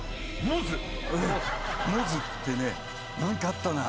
「モズ」ってね何かあったな。